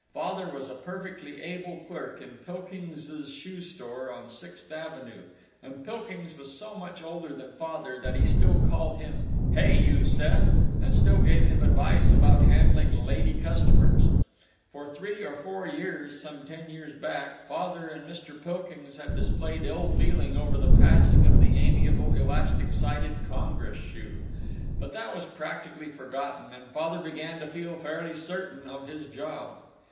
Father was a perfectly able clerk in Pilkings's shoe store on Sixth Avenue, and Pilkings was so much older than Father that he still called him, "Hey you, Seth!" and still gave him advice about handling lady customers. For three or four years, some ten years back, Father and Mr. Pilkings had displayed ill feeling over the passing of the amiable elastic sided Congress shoe. But that was practically forgotten, and Father began to feel fairly certain of his job.